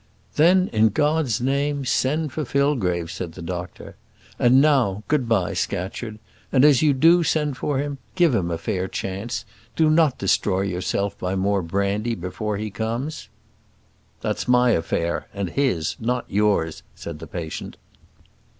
"Then in God's name send for Fillgrave," said the doctor. "And now, good bye, Scatcherd; and as you do send for him, give him a fair chance. Do not destroy yourself by more brandy before he comes." "That's my affair, and his; not yours," said the patient.